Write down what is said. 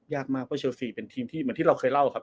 ยากมากเพราะเชลซีเป็นทีมที่เหมือนที่เราเคยเล่าครับ